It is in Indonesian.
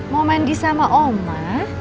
mau mandi sama oma